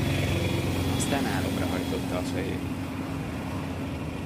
Aztán álomra hajtotta a fejét.